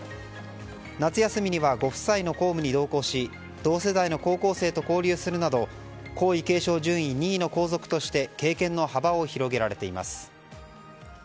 夏休みにはご夫妻の公務に同行し同世代の高校生と交流するなど皇位継承順位２位の皇族として経験の幅を広げられています。